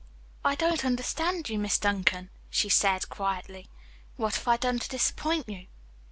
"I don't understand you, Miss Duncan," she said quietly. "What have I done to disappoint you?"